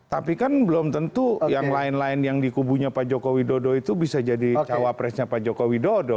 tapi kan belum tentu yang lain lain yang di kubunya pak joko widodo itu bisa jadi cawapresnya pak joko widodo